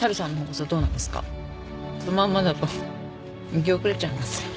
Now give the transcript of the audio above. このまんまだと行き遅れちゃいますよ。